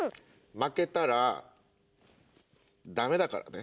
負けたらダメだからね。